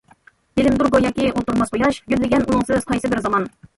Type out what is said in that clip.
بىلىمدۇر گوياكى ئولتۇرماس قۇياش، گۈللىگەن ئۇنىڭسىز قايسى بىر زامان.